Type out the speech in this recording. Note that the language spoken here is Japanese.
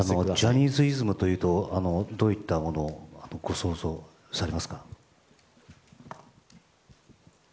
ジャニーズイズムというとどういったものをご想像されますか？